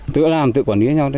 tự làm tự quản lý nhau